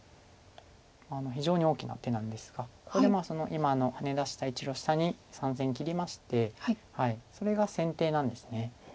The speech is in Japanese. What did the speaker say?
非常に大きな手なんですがここで今ハネ出した１路下に３線に切りましてそれが先手なんです。